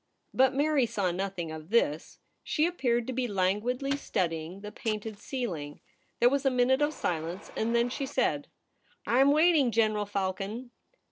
But Mary saw nothing of this ; she appeared to be languidly studying the painted ceiling. There was a minute of silence, and then she said :' I am waiting, General Falcon.'